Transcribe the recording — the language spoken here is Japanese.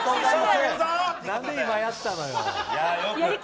何で今やったのよ。